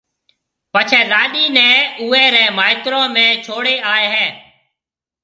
پڇيَ لاڏِي نيَ اوئيَ رَي مائيترون ۾ ڇوڙھيََََ آئيَ ھيََََ